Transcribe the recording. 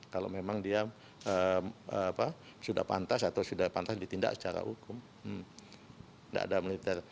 kalau memang dia sudah pantas atau sudah pantas ditindak secara hukum tidak ada militer